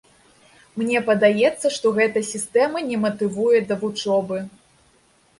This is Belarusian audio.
Мне падаецца, што гэта сістэма не матывуе да вучобы.